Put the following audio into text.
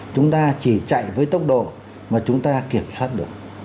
chúng ta chỉ chạy với tốc độ mà chúng ta kiểm soát được